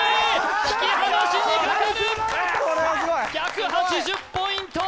引き離しにかかる１８０ポイント